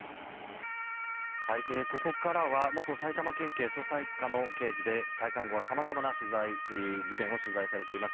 ここからは元埼玉県警捜査１課の刑事で退官後はさまざまな事件を取材されています